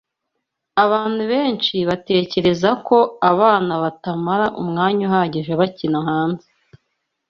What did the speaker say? Abantu benshi batekereza ko abana batamara umwanya uhagije bakina hanze.